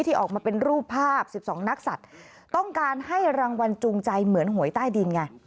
ที่ออกมาเป็นรูปภาพ๑๒นักสัตว์ต้องการให้รางวัลจูงใจเหมือนหวยใต้ดินไง